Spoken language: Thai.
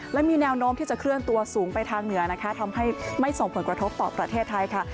และมีแนวโน้มที่จะเคลื่อนตัวสูงไปทางเหนือนะคะทำให้ไม่ส่งผลกระทบต่อประเทศไทยค่ะ